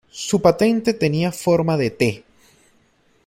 Su patente tenía una forma de "T".